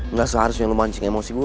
enggak seharusnya lo mancing emosi gue